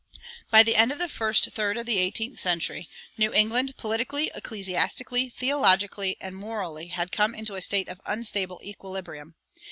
By the end of the first third of the eighteenth century, New England, politically, ecclesiastically, theologically, and morally, had come into a state of unstable equilibrium.